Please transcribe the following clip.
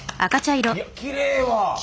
いやきれいわ！